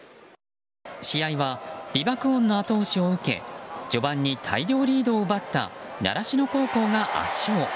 試合は美爆音の後押しを受け序盤に大量リードを奪った習志野高校が圧勝。